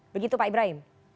begitu pak ibrahim